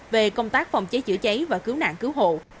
về công tác phòng cháy chữa cháy và cứu nạn cứu hộ